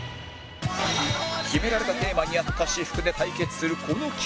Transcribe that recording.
決められたテーマに合った私服で対決するこの企画